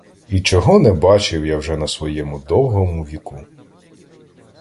І чого не бачив я вже на своєму довгому віку!